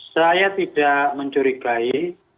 saya tidak mencurigai